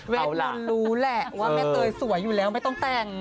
บุญรู้แหละว่าแม่เตยสวยอยู่แล้วไม่ต้องแต่ง